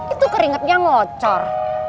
itu keringetnya ngocor